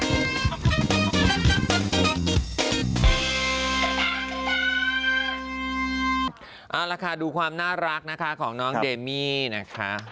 เอ่อแล้วค่ะดูความน่ารักของน้องเดมี่นะคะ